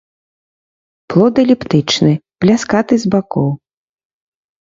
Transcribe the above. Плод эліптычны, пляскаты з бакоў.